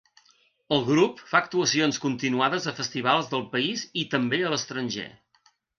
El grup fa actuacions continuades a festivals del país i també a l'estranger.